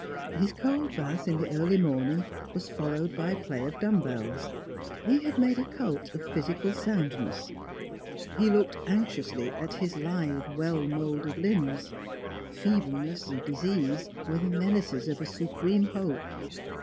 His cold bath in the early morning was followed by play of dumb bells. He had made a cult of physical soundness; he looked anxiously at his lithe, well moulded limbs; feebleness, disease, were the menaces of a supreme hope.